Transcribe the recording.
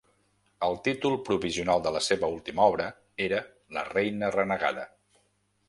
El títol provisional de la seva última obra era "La reina renegada".